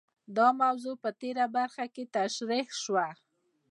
دا موضوع په تېره برخه کې تشرېح شوه.